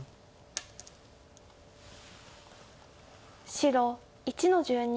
白１の十二。